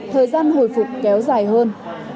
thời gian hồi phục kéo dài hơn